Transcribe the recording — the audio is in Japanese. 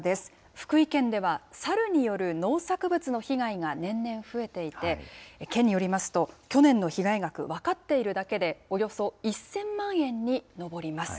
福井県では、サルによる農作物の被害が年々増えていて、県によりますと、去年の被害額、分かっているだけでおよそ１０００万円に上ります。